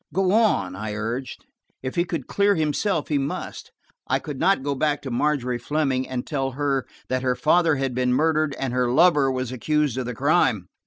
"Go on," I urged. If he could clear himself he must. I could not go back to Margery Fleming and tell her that her father had been murdered and her lover was accused of the crime.